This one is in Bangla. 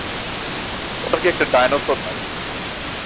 ওটা কি একটা ডাইনোসর নাকি?